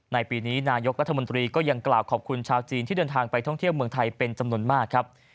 ในปีนี้นายกรัฐมนตรีก็ยังกล่าวขอบคุณชาวจีนที่เดินทางไปท่องเที่ยวเมืองไทยเป็นจำนวนมากครับ